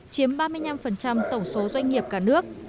chiếm ba mươi năm tổng số doanh nghiệp cả nước